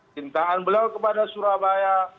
cintaan beliau kepada surabaya